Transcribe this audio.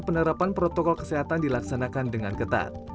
penerapan protokol kesehatan dilaksanakan dengan ketat